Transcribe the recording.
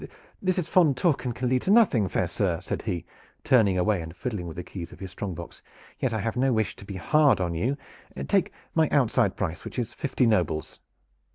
"This is fond talk and can lead to nothing, fair sir," said he, turning away and fiddling with the keys of his strong boxes. "Yet I have no wish to be hard on you. Take my outside price, which is fifty nobles."